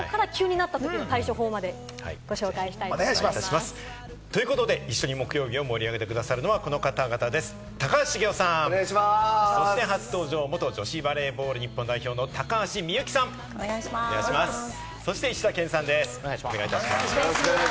きょうは対処法までご紹介しということで、一緒に木曜日を盛り上げてくださるのは高橋茂雄さん、そして初登場、元女子バレーボール日本代表の高橋みゆきさん、そして石田健さんです。